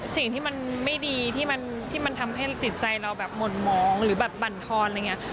สิ่งที่มันไม่ดีที่มันทำให้จิตใจเราแบบหม่นมองหรือแบบบรรทอนอะไรอย่างนี้